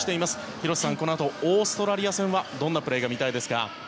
広瀬さん、このあとオーストラリア戦はどんなプレーが見たいですか？